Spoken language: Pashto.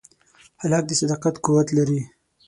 هلک د صداقت قوت لري.